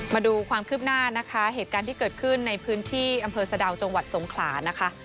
มาดูความคืบหน้านะคะเหตุการณ์ที่เกิดขึ้นในพื้นที่อำเภอสะดาวจังหวัดสงขลานะคะ